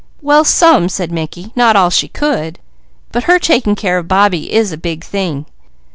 "Well some," said Mickey. "Not all she could! But her taking care of Bobbie is a big thing.